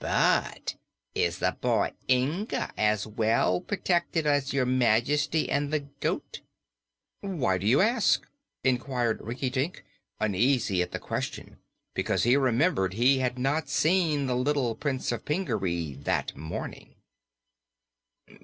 But is the boy Inga as, well protected as Your Majesty and the goat?' "Why do you ask?" inquired Rinkitink, uneasy at the question because he remembered he had not seen the little Prince of Pingaree that morning.